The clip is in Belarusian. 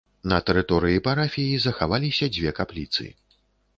На тэрыторыі парафіі захаваліся дзве капліцы.